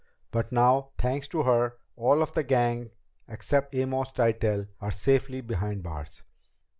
But now, thanks to her, all of the gang except Amos Tytell are safely behind bars.